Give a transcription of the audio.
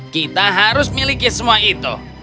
kita harus miliki semua itu